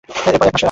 এরপর একমাস রাখে।